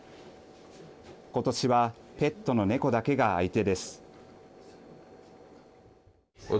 今年はペットの猫だけが相手です。